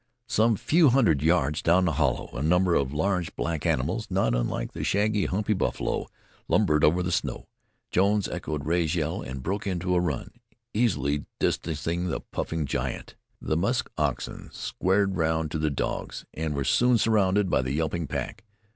Some few hundred yards down the hollow, a number of large black animals, not unlike the shaggy, humpy buffalo, lumbered over the snow. Jones echoed Rea's yell, and broke into a run, easily distancing the puffing giant. The musk oxen squared round to the dogs, and were soon surrounded by the yelping pack.